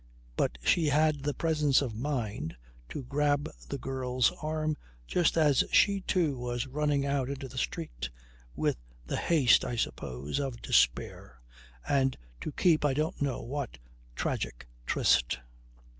But she had the presence of mind to grab the girl's arm just as she, too, was running out into the street with the haste, I suppose, of despair and to keep I don't know what tragic tryst.